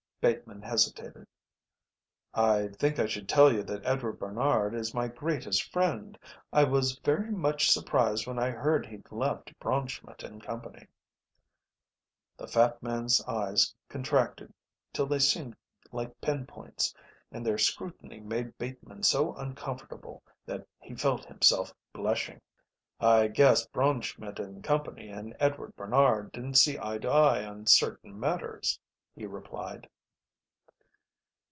Bateman hesitated. "I think I should tell you that Edward Barnard is my greatest friend. I was very much surprised when I heard he'd left Braunschmidt & Co." The fat man's eyes contracted till they seemed like pin points, and their scrutiny made Bateman so uncomfortable that he felt himself blushing. "I guess Braunschmidt & Co. and Edward Barnard didn't see eye to eye on certain matters," he replied.